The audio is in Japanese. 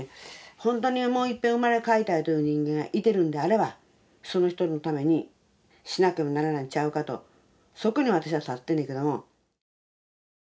本当にもういっぺん生まれ変わりたいという人間がいてるんであればその人のためにしなければならないんちゃうかとそこに私は立ってんねんけども。